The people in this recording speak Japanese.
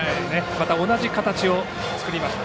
また同じ形を作りました。